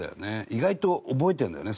意外と覚えてるんだよね